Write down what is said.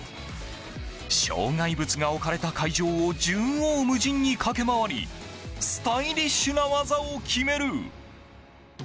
障害物が置かれた会場を縦横無尽に駆け回りスタイリッシュな技を決める。